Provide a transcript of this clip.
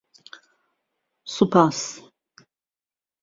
سوپاس!